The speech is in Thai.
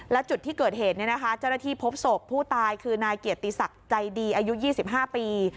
และจุดที่เกิดเหตุเจ้าหน้าที่พบศพผู้ตายคือนายเกียรติศักดิ์ใจดีอายุ๒๕ปี